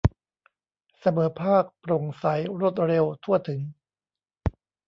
เสมอภาค โปร่งใส รวดเร็ว ทั่วถึง